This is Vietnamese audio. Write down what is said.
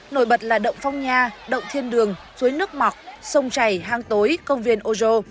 nổi bật là động phong nhà động thiên đường suối nước mọc sông chày hang tối công viên ojo